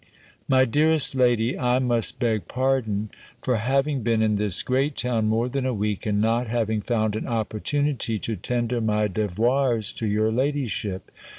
_ My Dearest Lady, I must beg pardon, for having been in this great town more than a week, and not having found an opportunity to tender my devoirs to your ladyship.